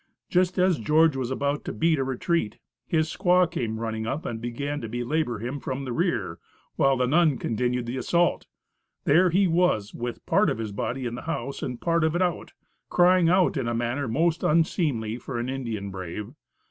Just as George was about to beat a retreat, his squaw came running up and began to belabor him from the rear, while the nun continued the assault. There he was with part of his body in the house and part of it out, crying out in a manner most unseemly for an Indian brave.